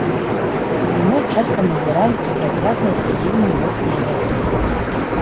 Зімой часта назіраюцца працяглыя і вельмі моцныя вятры.